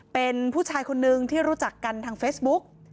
เป็นผู้ชายคนนึงที่รู้จักกันทางเฟซบุ๊ก